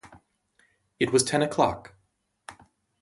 It was ten o'clock.